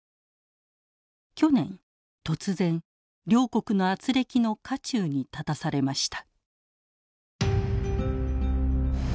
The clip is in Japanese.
去年突然両国のあつれきの渦中に立たされました。